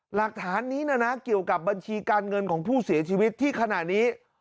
หลักฐานนี้นะนะเกี่ยวกับบัญชีการเงินของผู้เสียชีวิตที่ขณะนี้